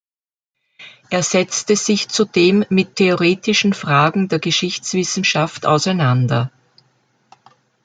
Er setzte sich zudem mit theoretischen Fragen der Geschichtswissenschaft auseinander.